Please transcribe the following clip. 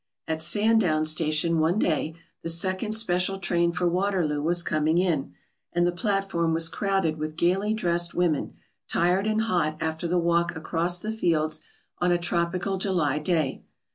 At Sandown station one day the second special train for Waterloo was coming in, and the platform was crowded with gaily dressed women, tired and hot after the walk across the fields on a tropical July day.